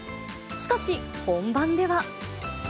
しかし、本番では。